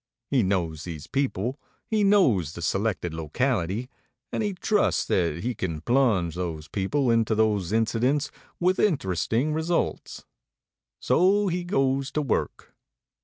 He knows these people, he knows the selected locality, and he trusts that he can plunge those people into those incidents with interesting results. So he goes to work.